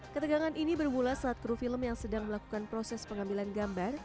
ketegangan ini bermula saat kru film yang sedang melakukan proses pengambilan gambar